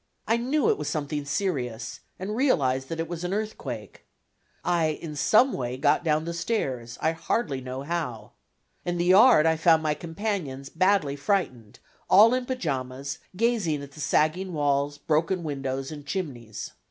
I knew it was something serious and realized that it was an earthquake. I in some way got down the stairs; I hardly know how. In the yard I found my companions, badly frightened, all in pajamas, gazing at the sagging walls, broken windows and chimneys.